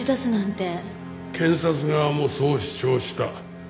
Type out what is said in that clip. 検察側もそう主張した。